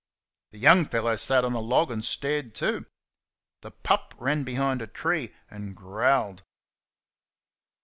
The young fellow sat on a log and stared too. The pup ran behind a tree and growled.